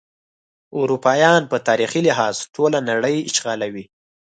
اروپایان په تاریخي لحاظ ټوله نړۍ اشغالوي.